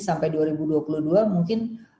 sampai dua ribu dua puluh dua mungkin